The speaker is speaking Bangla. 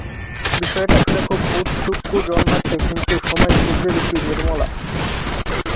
বিষয়টা শুনে খুব ঔৎসুক্য জন্মাচ্ছে, কিন্তু সময় খুব যে বেশি– নির্মলা।